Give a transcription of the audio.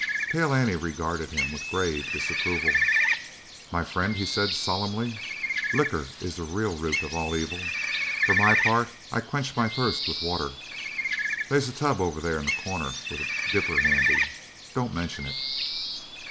Pale Annie regarded him with grave disapproval. "My friend," he said solemnly, "liquor is the real root of all evil. For my part, I quench my thirst with water. They's a tub over there in the corner with a dipper handy. Don't mention it."